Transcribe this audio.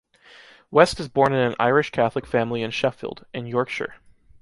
West is born in an Irish Catholic family in Sheffield, in Yorkshire.